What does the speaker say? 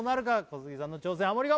小杉さんの挑戦ハモリ